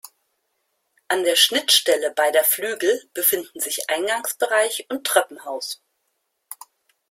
An der Schnittstelle beider Flügel befinden sich Eingangsbereich und Treppenhaus.